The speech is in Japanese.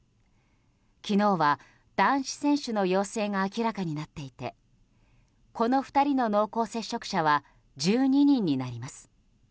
昨日は男子選手の陽性が明らかになっていてこの２人の濃厚接触者は１２人になります。